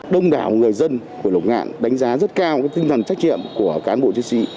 đông đảo người dân của lục ngạn đánh giá rất cao tinh thần trách nhiệm của cán bộ chiến sĩ